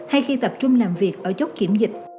hay khi tập trung làm việc ở chốt kiểm dịch